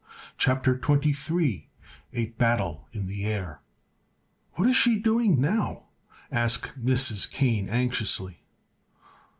CHAPTER XXIII A BATTLE IN THE AIR "What is she doing now?" asked Mrs. Kane, anxiously.